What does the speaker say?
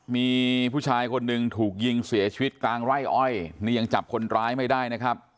มีผู้ชายคนหนึ่งถูกยิงเสียชีวิตกลางไร่อ้อยนี่ยังจับคนร้ายไม่ได้นะครับ